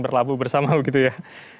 berlabuh bersama begitu ya